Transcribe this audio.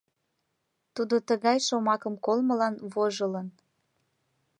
Тудо тыгай шомакым колмылан вожылын.